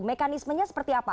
mekanismenya seperti apa